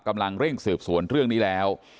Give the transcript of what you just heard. กำลังเร่งสืบสวนเรื่องนี้แล้ว